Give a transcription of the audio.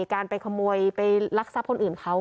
การไปขโมยไปลักทรัพย์คนอื่นเขา